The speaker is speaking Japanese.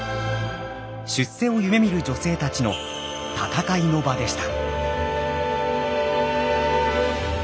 出世を夢みる女性たちの戦いの場でした。